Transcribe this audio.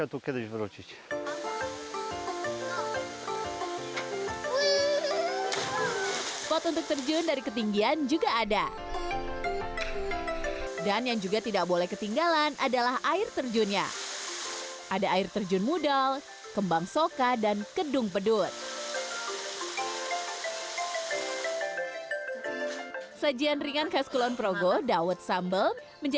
air yang sempurna air yang sempurna